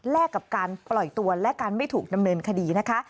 กับการปล่อยตัวและการไม่ถูกดำเนินคดีนะคะ